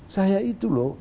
saya itu loh